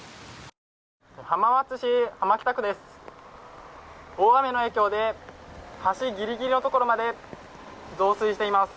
浜松市浜北区です。